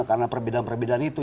karena perbedaan perbedaan itu